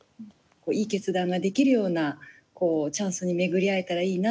いい決断ができるようなチャンスに巡り合えたらいいなって思っています。